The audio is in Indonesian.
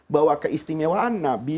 bahwa keistimewaan nabi